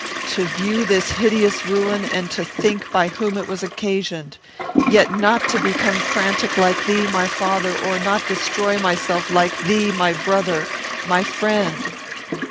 To view this hideous ruin, and to think by whom it was occasioned! Yet not to become frantic like thee, my father; or not destroy myself like thee, my brother! My friend!